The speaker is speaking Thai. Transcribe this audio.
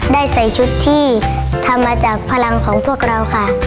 ได้ใส่ชุดที่ทำมาจากพลังของพวกเราค่ะ